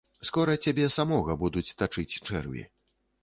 Скора цябе самога будуць тачыць чэрві.